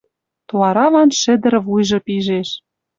То араван шӹдӹр вуйжы пижеш